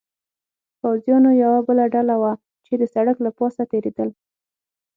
پوځیانو یوه بله ډله وه، چې د سړک له پاسه تېرېدل.